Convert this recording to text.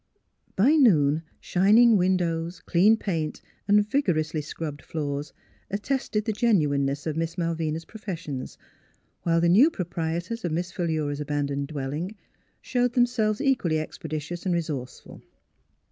By noon shining windows, clean paint, and vig orously scrubbed floors attested the genuineness of Miss Malvina's professions, while the new proprietors of Miss Philura's abandoned dwelling showed themselves equally expeditious and re sourceful.